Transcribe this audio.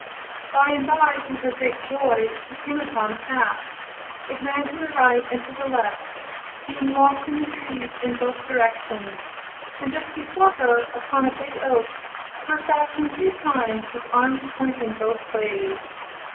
By and by, to her great joy, she came upon a path. It ran to the right and to the left, being lost in the trees in both directions, and just before her, upon a big oak, were fastened two signs, with arms pointing both ways.